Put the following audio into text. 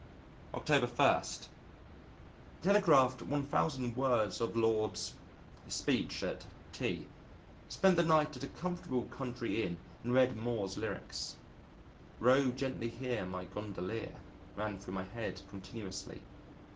October 1. Telegraphed 1,000 words of Lord 's speech at T . Spent the night at a comfortable country inn and read Moore's lyrics. "Row gently here, my Gondolier," ran through my head continuously.